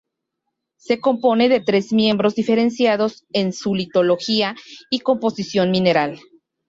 Se compone de tres miembros diferenciados en su litología y composición mineral.